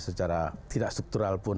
secara tidak struktural pun